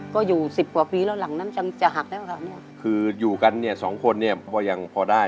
ก็อยู่สิบกว่าปีแล้วหลังนั้นยังจะหักแล้วค่ะเนี้ยคืออยู่กันเนี่ยสองคนเนี่ยพอยังพอได้